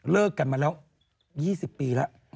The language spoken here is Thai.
กันมาแล้ว๒๐ปีแล้ว